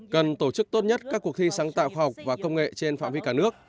cần tổ chức tốt nhất các cuộc thi sáng tạo khoa học và công nghệ trên phạm vi cả nước